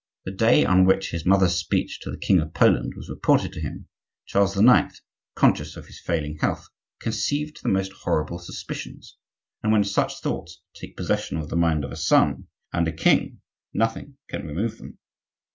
The day on which his mother's speech to the king of Poland was reported to him, Charles IX., conscious of his failing health, conceived the most horrible suspicions, and when such thoughts take possession of the mind of a son and a king nothing can remove them.